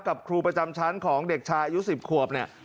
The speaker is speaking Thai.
ครูประจำชั้นของเด็กชายอายุ๑๐ขวบเนี่ย